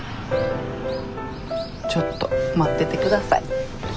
ちょっと待ってて下さい。